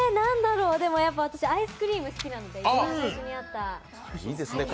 私、アイスクリームが好きなんで一番初めにあった。